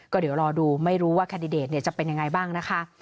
ก็เดี๋ยวรอดูไม่รู้ว่าแคนดิเดตจะเป็นยังไงบ้างนะคะ